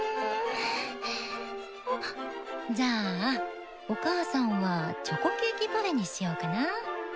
じゃあお母さんはチョコケーキパフェにしようかな。